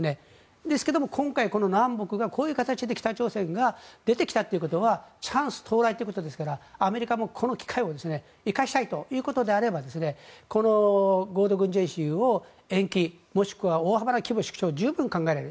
ですが、今回この南北がこういう形で北朝鮮が出たということはチャンス到来ということですからアメリカもこのチャンスを生かしたいということであればこの合同軍事演習を延期もしくは大幅な規模縮小は十分に考えられる。